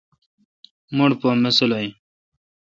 مٹھ پا ماسلہ این۔